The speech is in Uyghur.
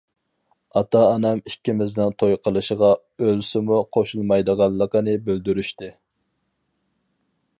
ئاتا-ئانام ئىككىمىزنىڭ توي قىلىشىغا ئۆلسىمۇ قوشۇلمايدىغانلىقىنى بىلدۈرۈشتى.